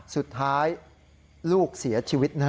สุดท้ายลูกเสียชีวิตนะฮะ